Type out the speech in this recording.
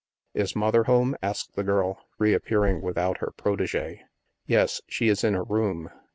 "Is Mother home?" asked the girl, reappearing without her protege. "Yes. She is in her room.